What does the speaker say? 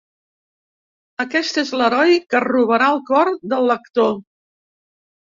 Aquest és l’heroi que robarà el cor del lector.